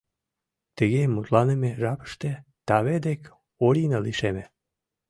Тыге мутланыме жапыште таве дек Орина лишеме.